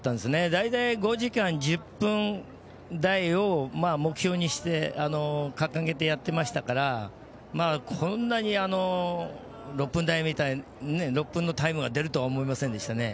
大体５時間１０分台を目標にして掲げてやってましたからこんなに６分のタイムが出るとは思いませんでしたね。